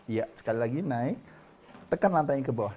iya sekali lagi naik tekan lantainya ke bawah